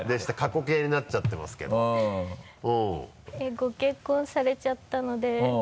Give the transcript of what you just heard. ご結婚されちゃったので。